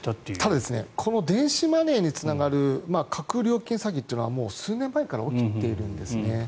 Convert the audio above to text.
ただ、この電子マネーにつながる架空料金詐欺というのは数年前から起きているんです。